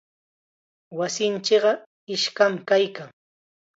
Wasinchikqa iskam kaykan.